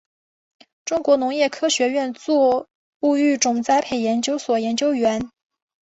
中国农业科学院作物育种栽培研究所研究员。